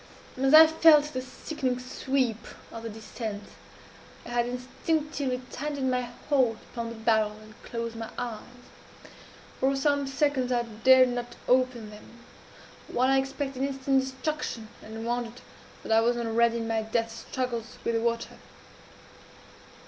"As I felt the sickening sweep of the descent, I had instinctively tightened my hold upon the barrel, and closed my eyes. For some seconds I dared not open them while I expected instant destruction, and wondered that I was not already in my death struggles with the water.